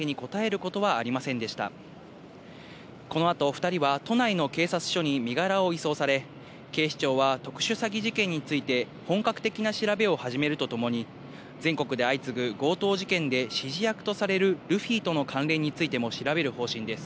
このあと、２人は都内の警察署に身柄を移送され、警視庁は特殊詐欺事件について本格的な調べを始めるとともに、全国で相次ぐ強盗事件で指示役とされるルフィとの関連についても調べる方針です。